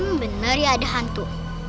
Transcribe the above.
emang bener ya ada hantu